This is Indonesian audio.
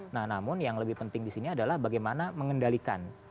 nah namun yang lebih penting di sini adalah bagaimana mengendalikan